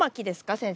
先生。